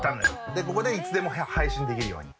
でここでいつでも配信できるように。